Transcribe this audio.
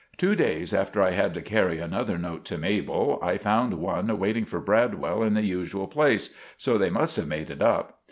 Two days after I had to carry another note to Mabel, and found one waiting for Bradwell in the usual place; so they must have made it up.